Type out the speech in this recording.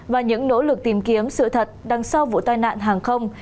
và những nỗ lực tìm kiếm sự thật đằng sau vụ tai nạn hàng không